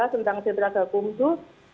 tentang sentraga kumtu